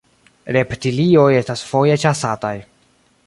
Reptilioj estas foje ĉasataj.